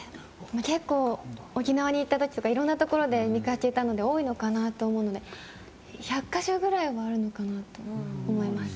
結構沖縄に行った時とかいろいろ見かけたので多いのかなと思うので１００か所ぐらいはあるのかなと思います。